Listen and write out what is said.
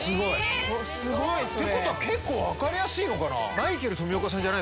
すごい。ってことは結構分かりやすいのかな？